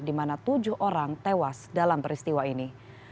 di mana tujuh orang tewas dalam peristiwa ini